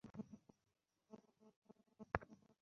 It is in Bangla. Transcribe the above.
মারামারি করতে এসেছেন?